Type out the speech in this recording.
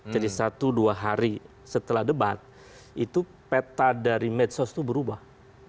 jadi satu dua hari setelah debat itu peta dari medsos itu berubah